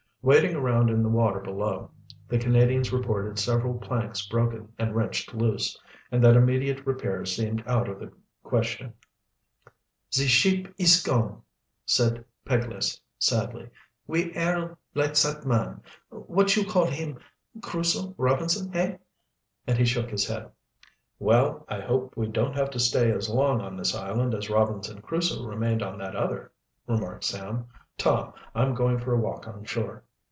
Wading around in the water below, the Canadians reported several planks broken and wrenched loose, and that immediate repairs seemed out of the question. "Ze ship ees gone," said Peglace sadly. "We air like zat man, what you call heem, Crusoe Robinson, hey?" And he shook his head. "Well, I hope we don't have to stay as long on this island as Robinson Crusoe remained on that other," remarked Sam. "Tom, I'm going for a walk on shore."